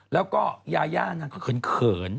แล้วก็ยาย่านางก็เขิน